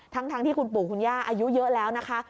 ทั้งที่คุณปู่คุณย่าอายุเยอะแล้วนะคะ